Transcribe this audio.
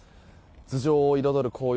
頭上を彩る紅葉